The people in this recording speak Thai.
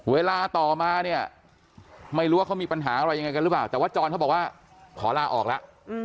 เวลาต่อมาเนี่ยไม่รู้ว่าเขามีปัญหาอะไรยังไงกันหรือเปล่าแต่ว่าจรเขาบอกว่าขอลาออกแล้ว